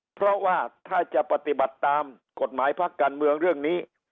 เพราะว่าถ้าจะปฏิบัติตามกฎหมายพักการเมืองเรื่องนี้